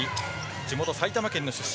地元・埼玉県の出身。